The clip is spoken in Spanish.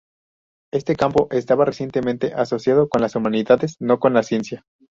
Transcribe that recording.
Este campo estaba recientemente asociado con las humanidades, no con la ciencia.